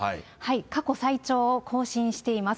過去最長を更新しています。